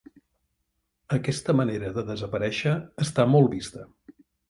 Aquesta manera de desaparèixer està molt vista.